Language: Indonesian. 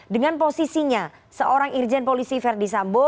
dengan posisinya seorang irjen polisi verdi sambo